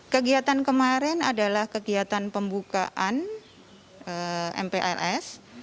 kegiatan kemarin adalah kegiatan pembukaan mpls